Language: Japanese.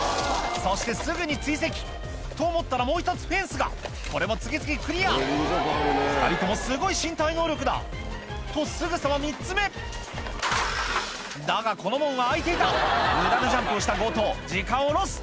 そしてすぐに追跡と思ったらもう１つフェンスがこれも次々クリア２人ともすごい身体能力だとすぐさま３つ目だがこの門は開いていた無駄なジャンプをした強盗時間をロス